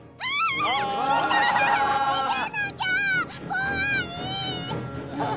怖い！